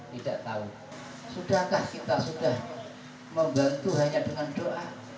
tidak tahu sudahkah kita sudah membantu hanya dengan doa